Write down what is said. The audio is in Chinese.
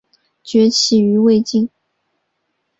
崛起于魏晋。